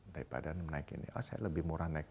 daripada menaik ini saya lebih murah naik